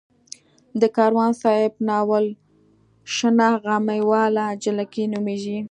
د کاروان صاحب ناول شنه غمي واله جلکۍ نومېږي.